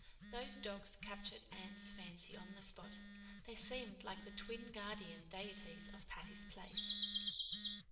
Those dogs captured Anne's fancy on the spot; they seemed like the twin guardian deities of Patty's Place.